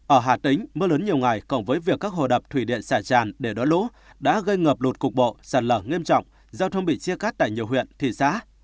ở hà tĩnh mưa lớn nhiều ngày cộng với việc các hồ đập thủy điện xả tràn để đỡ lũ đã gây ngập lụt cục bộ sạt lở nghiêm trọng giao thông bị chia cắt tại nhiều huyện thị xã